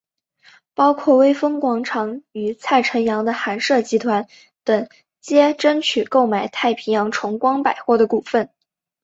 包括微风广场与蔡辰洋的寒舍集团等皆争取购买太平洋崇光百货的股份。